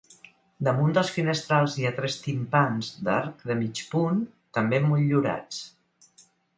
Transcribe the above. Damunt dels finestrals hi ha tres timpans d'arc de mig punt també motllurats.